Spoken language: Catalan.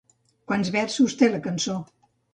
Quants versos té la cançó?